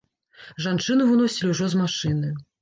Жанчыну выносілі ўжо з машыны.